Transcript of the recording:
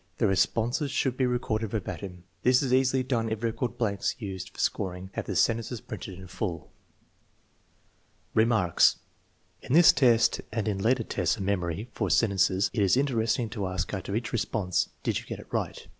The responses should be recorded ver batim. This is easily done if record blanks used for scoring have the sentences printed in full. Remarks. In this test and in later tests of memory for sentences, it is interesting to ask after each response: " Did you get it right?